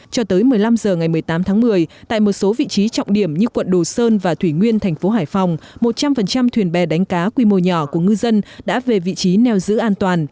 cho tới một mươi năm h ngày một mươi tám tháng một mươi tại một số vị trí trọng điểm như quận đồ sơn và thủy nguyên thành phố hải phòng một trăm linh thuyền bè đánh cá quy mô nhỏ của ngư dân đã về vị trí neo giữ an toàn